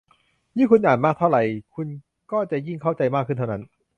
ยิ่งคุณอ่านมากเท่าไหร่คุณก็จะยิ่งเข้าใจมากขึ้นเท่านั้น